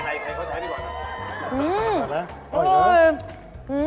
ใครเค้าใช้ดีกว่านะ